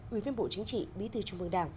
ubđ bí thư trung ương đảng